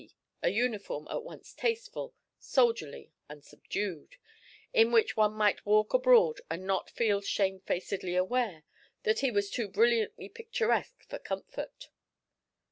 a uniform at once tasteful, soldierly, and subdued, in which one might walk abroad and not feel shamefacedly aware that he was too brilliantly picturesque for comfort.